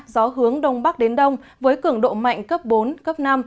gió hướng đông bắc đến đông với cường độ mạnh cấp bốn cấp năm